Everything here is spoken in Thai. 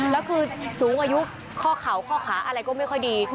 แล้วคือสูงอายุข้อเข่าข้อขาอะไรก็ไม่ค่อยดี